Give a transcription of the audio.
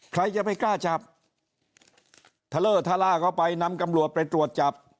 ใครจะไปกล้าจับทะเล่อทะลาก็ไปนำกำลัวไปตรวจจับ